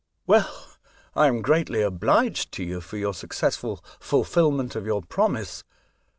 ''" Well, I am greatly obliged to you for your successful fulfilment of your promise.